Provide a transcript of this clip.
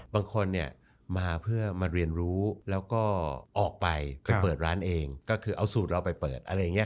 บางคนเนี่ยมาเพื่อมาเรียนรู้แล้วก็ออกไปไปเปิดร้านเองก็คือเอาสูตรเราไปเปิดอะไรอย่างนี้